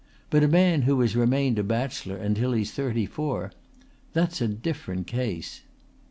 But a man who has remained a bachelor until he's thirty four that's a different case.